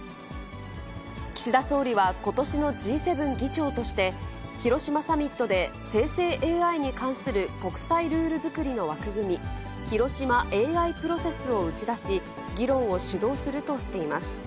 岸田総理は、ことしのＧ７議長として、広島サミットで生成ＡＩに関する国際ルール作りの枠組み、広島ＡＩプロセスを打ち出し、議論を主導するとしています。